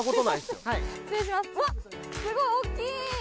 すごい大きい！